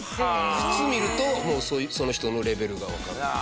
靴見るともうその人のレベルがわかる。